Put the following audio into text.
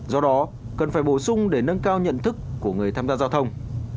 do đó cần phải bổ sung để nâng cao nhận thức của người tham gia giao thông